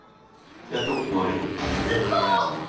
やったことないよ。